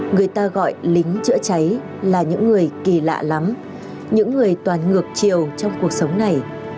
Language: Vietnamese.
người ta gọi lính chữa cháy là những người kỳ lạ lắm những người toàn ngược chiều trong cuộc sống này